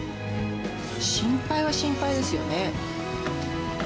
心配は心配ですよね。